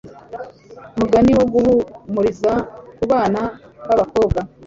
mugani wo guhumuriza kubana babakobwa